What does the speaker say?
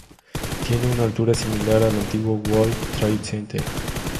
Tiene una altura similar al antiguo World Trade Center.